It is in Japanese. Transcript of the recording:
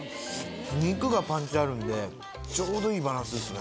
肉がパンチあるんでちょうどいいバランスですね。